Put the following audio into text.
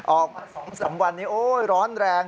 ออกมาสองสามวันนี้โอ๊ยร้อนแรง